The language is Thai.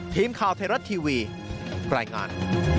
ทีมข่าวไทยรัฐทีวีรายงาน